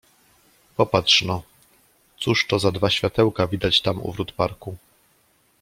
"Popatrz no, cóż to za dwa światełka widać tam u wrót parku?"